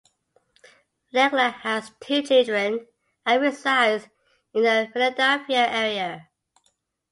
Legler has two children and resides in the Philadelphia area.